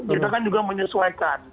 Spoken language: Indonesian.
kita kan juga menyesuaikan